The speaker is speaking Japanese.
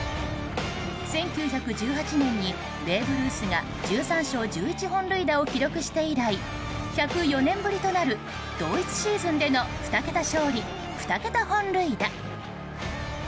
１９１８年にベーブ・ルースが１３勝１１本塁打を記録して以来１０４年ぶりとなる同一シーズンでの２桁勝利２桁本塁打。